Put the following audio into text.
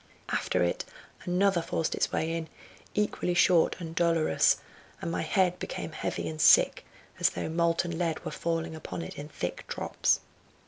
After it another forced its way in, equally short and dolorous, and my head became heavy and sick, as though molten lead were falling upon it in thick drops.